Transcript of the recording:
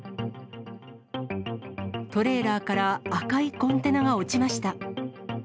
トレーラーから赤いコンテナが落ちました。